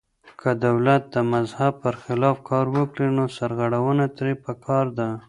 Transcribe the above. که دولت د مذهب پر خلاف کار وکړي نو سرغړونه ترې پکار ده.